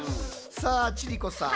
さあ千里子さん。